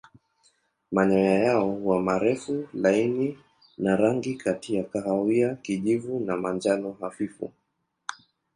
Manyoya yao huwa marefu laini na rangi kati ya kahawia kijivu na manjano hafifu.